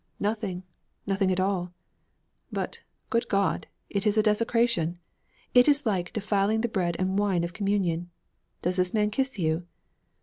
'Nothing, nothing at all.' 'But, good God, it is desecration! It is like defiling the bread and wine of communion. Does this man kiss you?'